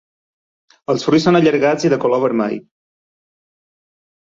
Els fruits són allargats i de color vermell.